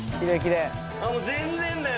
もう全然だよ。